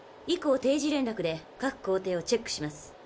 以降定時連絡で各工程をチェックします。